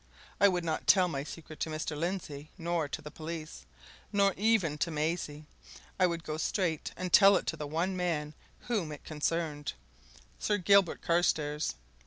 I would not tell my secret to Mr. Lindsey, nor to the police, nor even to Maisie. I would go straight and tell it to the one man whom it concerned Sir Gilbert Carstairs.